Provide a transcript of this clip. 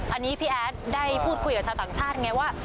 อันนี้พี่แอดได้พูดคุยกับชาวต่างชาติไงว่า